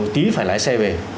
tí phải lái xe về